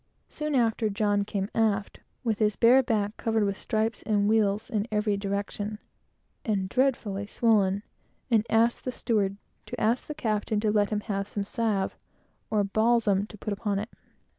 Soon after, John came aft, with his bare back covered with stripes and wales in every direction, and dreadfully swollen, and asked the steward to ask the captain to let him have some salve, or balsam, to put upon it.